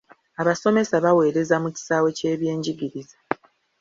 Abasomesa bawereza mu kisawe ky'ebyenjigiriza.